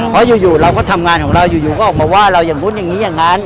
เพราะอยู่เราก็ทำงานของเราอยู่ก็ออกมาว่าเราอย่างนู้นอย่างนี้อย่างนั้น